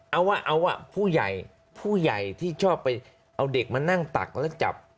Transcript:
เอาว่าผู้ใหญ่ที่ชอบไปเอาเด็กมานั่งตักแล้วจับ